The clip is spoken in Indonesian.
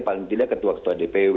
paling tidak ketua ketua dpw